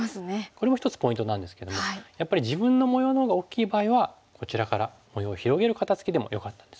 これも一つポイントなんですけどもやっぱり自分の模様のほうが大きい場合はこちらから模様を広げる肩ツキでもよかったんですね。